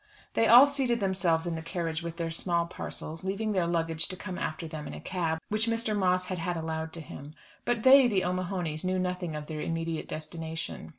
They all seated themselves in the carriage with their small parcels, leaving their luggage to come after them in a cab which Mr. Moss had had allowed to him. But they, the O'Mahonys, knew nothing of their immediate destination.